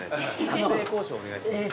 撮影交渉をお願いします。